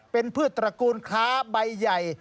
เป็นพืชตระกูลค้าใบใหญ่